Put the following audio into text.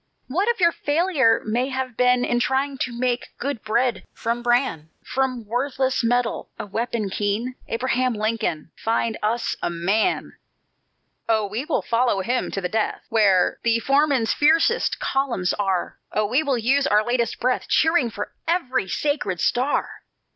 What if your failure may have been In trying to make good bread from bran, From worthless metal a weapon keen? Abraham Lincoln, find us a MAN! "Oh, we will follow him to the death, Where the foeman's fiercest columns are! Oh, we will use our latest breath, Cheering for every sacred star!